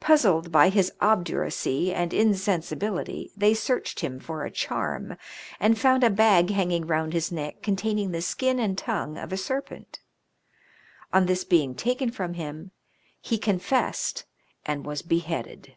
Puzzled by MARINE PUNISHMENTS. 117 his obduracy and insensibility they searched him for a charm, and found a bag hanging round his neck con taining the skin and tongue of a serpent. On this being taken from him he confessed, and was beheaded.